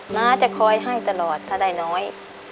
น้าจะคอยให้ตลอดถ้าได้น้อย